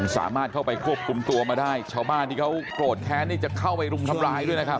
สามารถเข้าไปควบคุมตัวมาได้ชาวบ้านที่เขาโกรธแค้นนี่จะเข้าไปรุมทำร้ายด้วยนะครับ